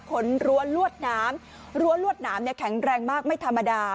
รั้วลวดน้ำรั้วลวดหนามเนี่ยแข็งแรงมากไม่ธรรมดา